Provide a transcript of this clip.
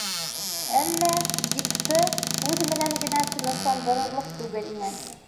Әммә Дикты һүҙ менән генә тынысландырырлыҡ түгел ине.